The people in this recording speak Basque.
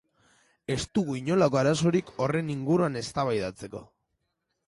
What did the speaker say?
Ez dugu inolako arazorik horren inguruan eztabaidatzeko.